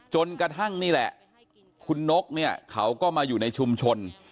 จนกระทั่งนี่แหละคุณนกเนี่ยเขาก็มาอยู่ในชุมชน